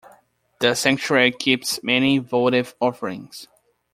The Sanctuary keeps many votive offerings.